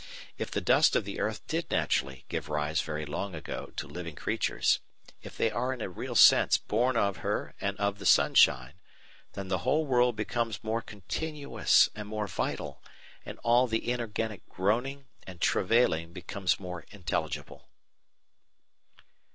If the dust of the earth did naturally give rise very long ago to living creatures, if they are in a real sense born of her and of the sunshine, then the whole world becomes more continuous and more vital, and all the inorganic groaning and travailing becomes more intelligible.